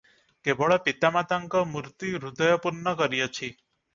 କେବଳ ପିତାମାତାଙ୍କ ମୂର୍ତ୍ତି ହୃଦୟ ପୂର୍ଣ୍ଣ କରିଅଛି ।